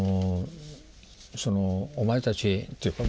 お前たちっていうか学生。